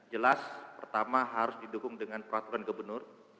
jelas pertama harus didukung dengan peraturan gubernur